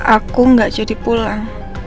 aku gak jadi pulang